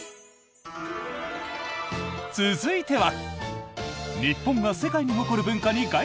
続いては。